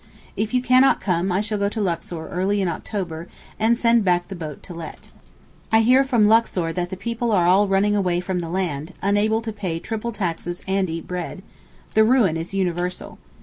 If you cannot come I shall go to Luxor early in October and send back the boat to let. I hear from Luxor that the people are all running away from the land, unable to pay triple taxes and eat bread: the ruin is universal.